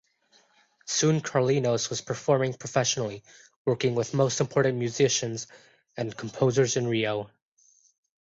Soon Carlinhos was performing professionally, working with most important musicians and composers in Rio.